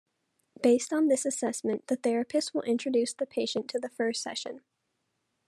Based on this assessment, the therapist will introduce the patient to the first session.